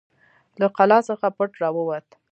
له قلا څخه پټ راووت.